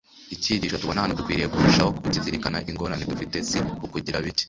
icyigisho tubona hano dukwiriye kurushaho kukizirikana. ingorane dufite si ukugira bike